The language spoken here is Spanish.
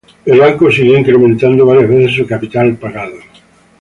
El banco siguió incrementado varias veces su capital pagado.